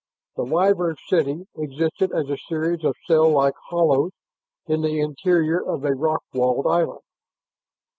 The Wyvern city existed as a series of cell like hollows in the interior of a rock walled island.